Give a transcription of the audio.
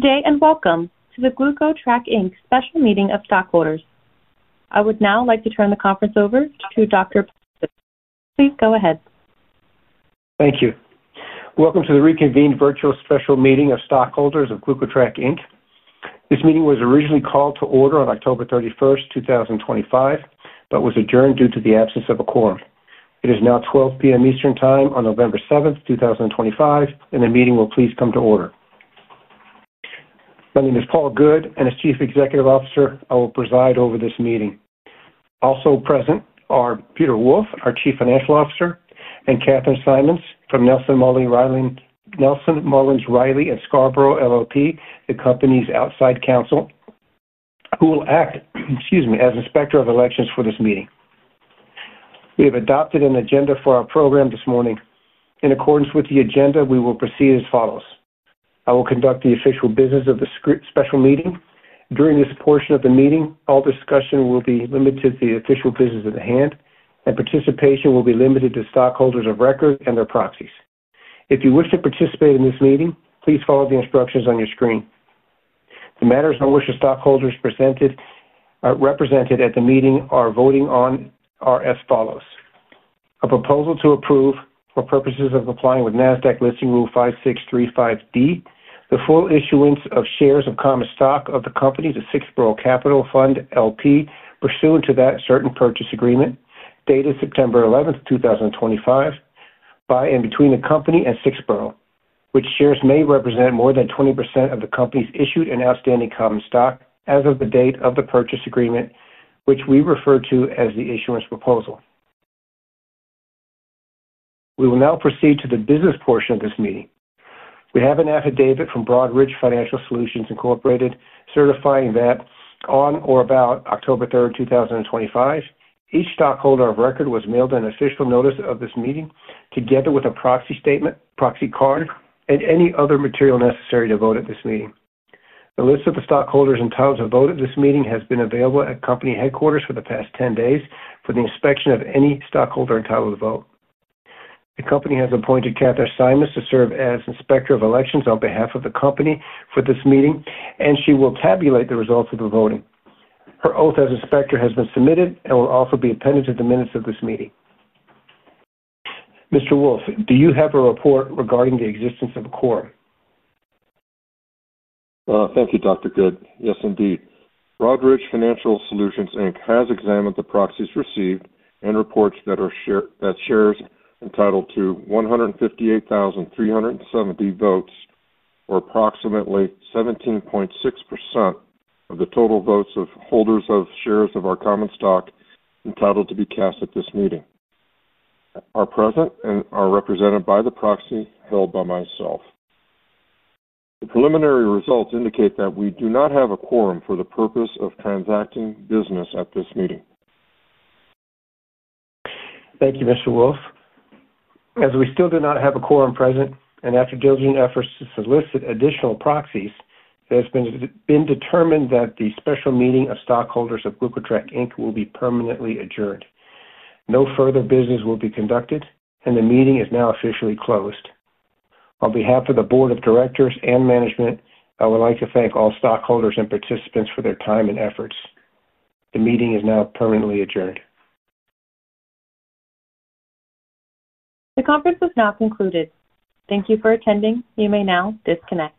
Today, and welcome to the GlucoTrack Inc special meeting of stockholders. I would now like to turn the conference over to Dr. Paul Goode. Please go ahead. Thank you. Welcome to the reconvened virtual special meeting of stockholders of GlucoTrack Inc. This meeting was originally called to order on October 31st, 2025, but was adjourned due to the absence of a quorum. It is now 12:00 P.M. Eastern Time on November 7th, 2025, and the meeting will please come to order. My name is Paul Goode, and as Chief Executive Officer, I will preside over this meeting. Also present are Peter Wolfe, our Chief Financial Officer, and Kathryn Simons from Nelson Mullins Riley & Scarborough LLP, the company's outside counsel, who will act, excuse me, as Inspector of Elections for this meeting. We have adopted an agenda for our program this morning. In accordance with the agenda, we will proceed as follows. I will conduct the official business of the special meeting. During this portion of the meeting, all discussion will be limited to the official business at hand, and participation will be limited to stockholders of record and their proxies. If you wish to participate in this meeting, please follow the instructions on your screen. The matters on which the stockholders present or represented at the meeting are voting on are as follows: a proposal to approve, for purposes of complying with NASDAQ Listing Rule 5635(d), the full issuance of shares of common stock of the company to Sixborough Capital Fund LP pursuant to that certain purchase agreement dated September 11, 2025, by and between the company and Sixborough, which shares may represent more than 20% of the company's issued and outstanding common stock as of the date of the purchase agreement, which we refer to as the issuance proposal. We will now proceed to the business portion of this meeting. We have an affidavit from Broadridge Financial Solutions certifying that on or about October 3rd, 2025, each stockholder of record was mailed an official notice of this meeting together with a proxy statement, proxy card, and any other material necessary to vote at this meeting. The list of the stockholders entitled to vote at this meeting has been available at company headquarters for the past 10 days for the inspection of any stockholder entitled to vote. The company has appointed Kathryn Simons to serve as Inspector of Elections on behalf of the company for this meeting, and she will tabulate the results of the voting. Her oath as Inspector has been submitted and will also be appended to the minutes of this meeting. Mr. Wolfe, do you have a report regarding the existence of a quorum? Thank you, Dr. Goode. Yes, indeed. Broadridge Financial Solutions has examined the proxies received and reports that shares entitled to 158,370 votes were approximately 17.6% of the total votes of holders of shares of our common stock entitled to be cast at this meeting. Are present and are represented by the proxy held by myself. The preliminary results indicate that we do not have a quorum for the purpose of transacting business at this meeting. Thank you, Mr. Wolfe. As we still do not have a quorum present and after diligent efforts to solicit additional proxies, it has been determined that the special meeting of stockholders of GlucoTrack Inc will be permanently adjourned. No further business will be conducted, and the meeting is now officially closed. On behalf of the Board of Directors and Management, I would like to thank all stockholders and participants for their time and efforts. The meeting is now permanently adjourned. The conference has now concluded. Thank you for attending. You may now disconnect.